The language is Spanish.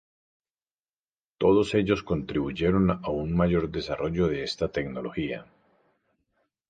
Todos ellos contribuyeron a un mayor desarrollo de esta tecnología.